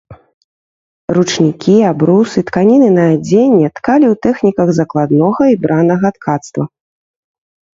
Ручнікі, абрусы, тканіны на адзенне ткалі ў тэхніках закладнога і бранага ткацтва.